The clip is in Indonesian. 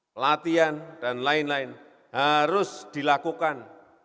pelatihan dan lain lain harus dilakukan